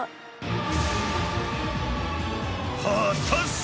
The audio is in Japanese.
果たして。